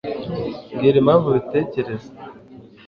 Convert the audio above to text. mbwira impamvu ubitekereza